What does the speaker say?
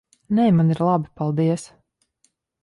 Nē, man ir labi. Paldies.